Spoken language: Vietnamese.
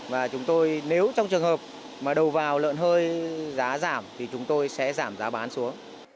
và chúng tôi nếu trong trường hợp mà đầu vào lợn hơi giá giảm thì chúng tôi sẽ giảm giá bán xuống